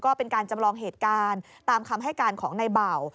ก็เป็นการจำลองเหตุการณ์ตามคำให้การของในเบา